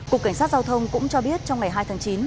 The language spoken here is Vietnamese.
cục cảnh sát giao thông cũng cho biết trong ngày hai tháng chín